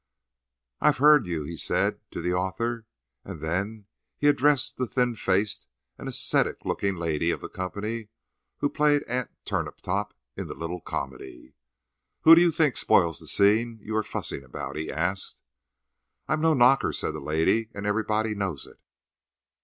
"I've heard you," he said to the author. And then he addressed the thin faced and ascetic looking lady of the company who played "Aunt Turnip top" in the little comedy. "Who do you think spoils the scene you are fussing about?" he asked. "I'm no knocker," said that lady, "and everybody knows it.